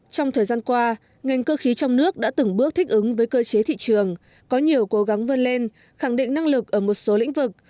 trong thời gian qua ngành cơ khí trong nước đã từng bước thích ứng với cơ chế thị trường có nhiều cố gắng vươn lên khẳng định năng lực ở một số lĩnh vực